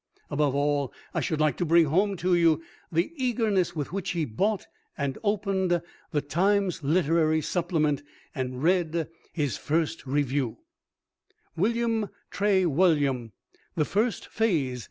Above all, I should like to bring home to you the eagerness with which he bought and opened "The Times Literary Supplement" and read his first review: "'William Trewulliam The First Phase.'